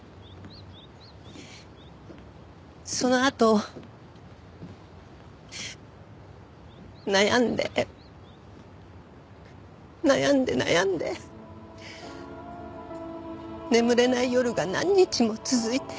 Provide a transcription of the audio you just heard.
そのあと悩んで悩んで悩んで眠れない夜が何日も続いて。